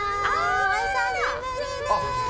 お久しぶりです。